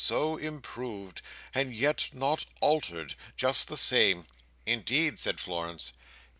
"So improved! And yet not altered! Just the same!" "Indeed!" said Florence.